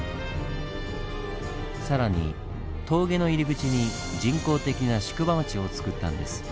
更に峠の入り口に人工的な宿場町をつくったんです。